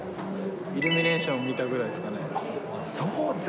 イルミネーション見たぐらいそうですよ。